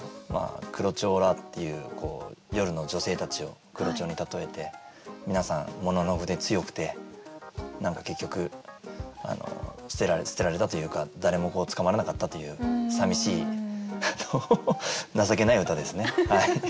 黒蝶らっていう夜の女性たちを黒蝶に例えて皆さんもののふで強くて何か結局捨てられたというか誰も捕まらなかったというさみしい情けない歌ですね。